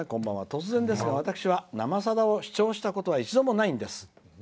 突然ですが私は「生さだ」を視聴したことは一度もないんです。